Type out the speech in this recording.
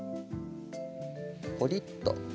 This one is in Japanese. ポリッと。